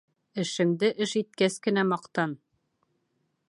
Эшеңде эш иткәс кенә маҡтан.